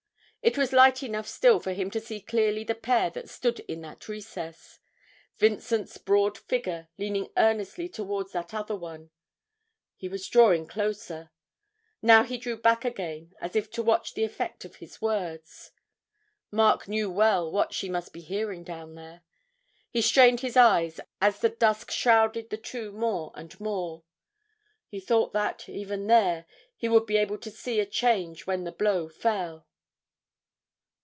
It was light enough still for him to see clearly the pair that stood in that recess: Vincent's broad figure leaning earnestly towards that other one he was drawing closer now he drew back again as if to watch the effect of his words. Mark knew well what she must be hearing down there. He strained his eyes as the dusk shrouded the two more and more; he thought that, even there, he would be able to see a change when the blow fell.